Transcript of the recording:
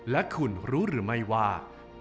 และคุณรู้หรือไม่ว่า